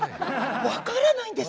分からないんです。